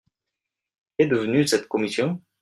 Qu’est devenue cette commission ?